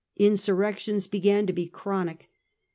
Insurrections began to be chronic.